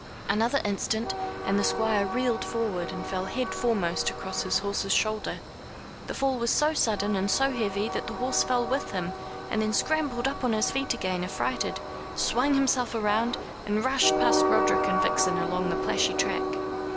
Another instant, and the Squire reeled forward, and fell headforemost across his horse's shoulder. The fall was so sudden and so heavy, that the horse fell with him, and then scrambled up on to his feet again affrighted, swung himself round, and rushed past Roderick and Vixen along the plashy track.